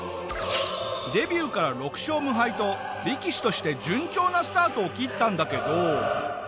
デビューから６勝無敗と力士として順調なスタートを切ったんだけど。